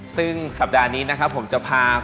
ซึ่งสัปดาห์นี้นะครับผมจะพา